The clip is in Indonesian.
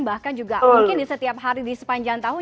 bahkan juga mungkin di setiap hari di sepanjang tahun